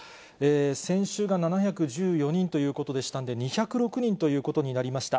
先週が７１４人ということでしたんで、２０６人ということになりました。